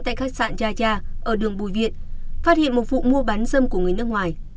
tại khách sạn yaja ở đường bùi viện phát hiện một vụ mua bán dâm của người nước ngoài